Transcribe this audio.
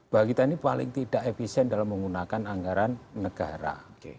bahwa kita ini paling tidak efisien dalam menggunakan anggaran negara